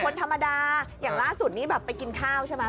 คนธรรมดาร่สุดอย่างนี่ไปกินข้าวใช่ไหม